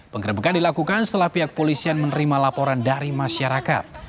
penggerebekan dilakukan setelah pihak polisian menerima laporan dari masyarakat